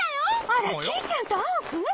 あらキイちゃんとアオくん？